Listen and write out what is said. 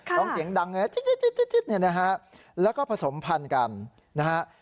ร้องเสียงดังเลยจิ๊ดแล้วก็ผสมพันธุ์กัน